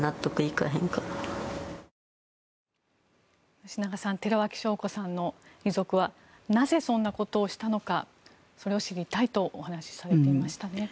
吉永さん寺脇晶子さんの遺族はなぜ、そんなことをしたのかそれを知りたいとお話しされていましたね。